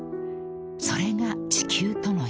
［それが地球との約束］